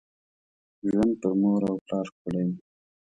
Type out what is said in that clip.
ژوند پر مور او پلار ښکلي وي .